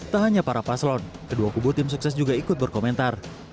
tak hanya para paslon kedua kubu tim sukses juga ikut berkomentar